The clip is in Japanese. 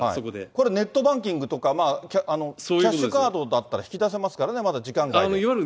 これ、ネットバンキングとか、キャッシュカードだったら引き出せますからね、まだ時間外でも。